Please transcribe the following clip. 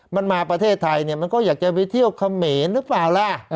มันมาประเทศไทยเนี่ยมันก็อยากจะไปเที่ยวเขมรหรือเปล่าล่ะ